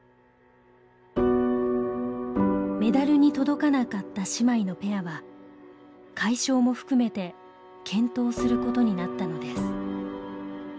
メダルに届かなかった姉妹のペアは解消も含めて検討することになったのです。